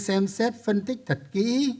xem xét phân tích thật kỹ